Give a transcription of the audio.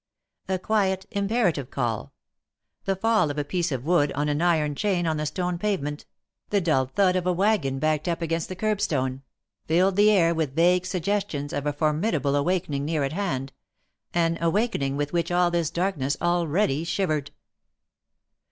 A quiet imperative call — the fall of a piece of wood on an iron chain on the stone pavement, the dull thud of a wagon backed up against the curbstone — filled the air with vague suggestions of a formidable awakening near at hand — an awakening with which all this darkness already shivered.